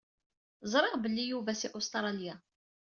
Ẓriɣ belli Yuba si Ustralya.